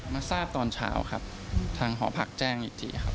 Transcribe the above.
มาทราบตอนเช้าครับทางหอพักแจ้งอีกทีครับ